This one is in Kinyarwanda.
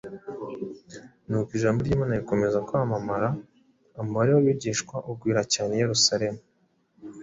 Nuko ijambo ry’Imana rikomeza kwamamara, umubare w’abigishwa ugwira cyane i Yerusalemu,